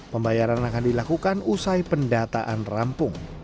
pembayaran akan dilakukan usai pendataan rampung